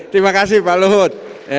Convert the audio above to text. terima kasih pak luhut